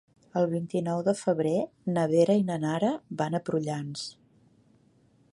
El vint-i-nou de febrer na Vera i na Nara van a Prullans.